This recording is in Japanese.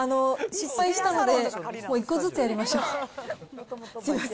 失敗したので、１個ずつやりましょう。